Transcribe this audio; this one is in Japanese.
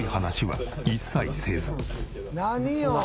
「何よ？」